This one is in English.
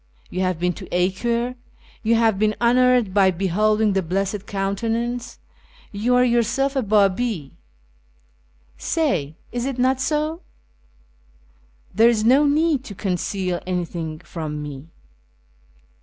You have been to Acre, you have been honoured by beholding the Blessed Countenance, you are yourself a Babi. Say, is it not so ? There is no need to conceal anything from me."